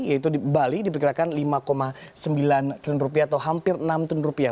yaitu di bali diperkirakan lima sembilan triliun rupiah